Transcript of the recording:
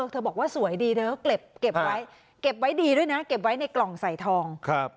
เธอบอกว่าสวยดีเธอก็เก็บไว้เก็บไว้ดีด้วยนะเก็บไว้ในกล่องใส่ทอง